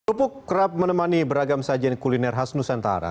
kerupuk kerap menemani beragam sajian kuliner khas nusantara